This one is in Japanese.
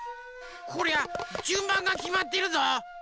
こりゃじゅんばんがきまってるぞ。